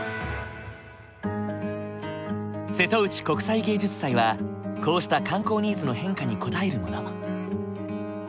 瀬戸内国際芸術祭はこうした観光ニーズの変化に応えるもの。